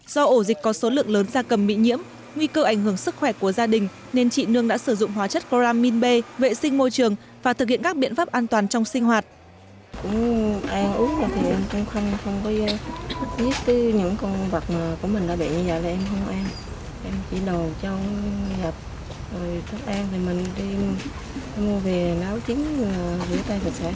do ổ dịch có số lượng lớn gia cầm bị nhiễm nguy cơ ảnh hưởng sức khỏe của gia đình nên chị nương đã sử dụng hóa chất chloramin b vệ sinh môi trường và thực hiện các biện pháp an toàn trong sinh hoạt